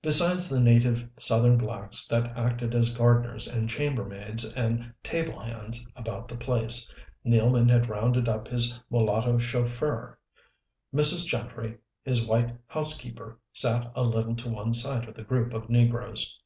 Besides the native southern blacks that acted as gardeners and chambermaids and table hands about the place, Nealman had rounded up his mulatto chauffeur. Mrs. Gentry, his white housekeeper, sat a little to one side of the group of negroes.